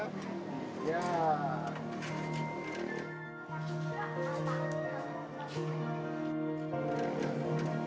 setelah aku juga dah mau mau banget